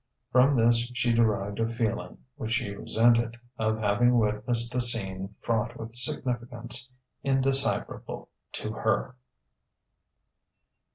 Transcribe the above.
From this she derived a feeling, which she resented, of having witnessed a scene fraught with significance indecipherable to her.